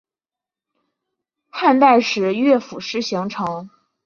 汉代时乐府诗形成。